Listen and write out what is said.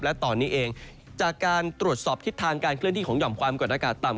และตอนนี้เองจากการตรวจสอบทิศทางการเคลื่อนที่ของห่อมความกดอากาศต่ำ